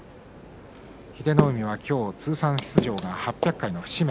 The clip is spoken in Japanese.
英乃海は今日、通算出場が８００回の節目。